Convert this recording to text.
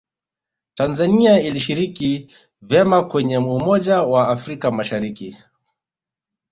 tanzania ilishiriki vema kwenye umoja wa afrika mashariki